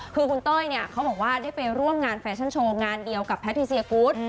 คือคุณเต้ยเนี่ยเขาบอกว่าได้ไปร่วมงานแฟชั่นโชว์งานเดียวกับแพทิเซียกูธ